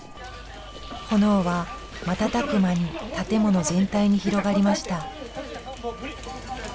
炎は瞬く間に建物全体に広がりました。